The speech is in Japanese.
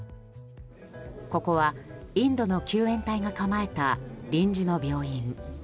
ここは、インドの救援隊が構えた臨時の病院。